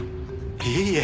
いえいえ。